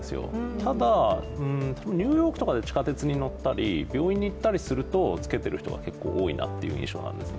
ただニューヨークとかで地下鉄に乗ったり病院に行ったりすると着けている人が結構多いなという印象なんですね。